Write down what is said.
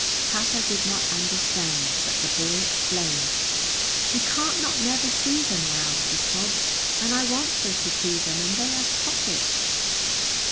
Papa did not understand, but the boy explained. "She can't not never see them now," he sobbed, "and I wants her to see them, and they has pockets!"